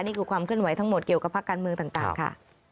นี่คือความเคลื่อนไหวทั้งหมดเกี่ยวกับภาคการเมืองต่างค่ะ